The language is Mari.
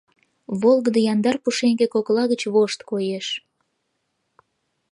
Волгыдо, яндар пушеҥге кокла гыч вошт коеш.